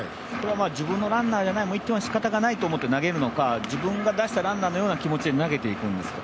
自分のランナーじゃないしかたがないって投げるのか自分が出したランナーのような気持ちで投げていくんですか？